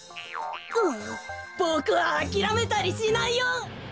ボクはあきらめたりしないよ！